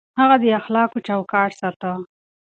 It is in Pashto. هغه د اخلاقو چوکاټ ساته.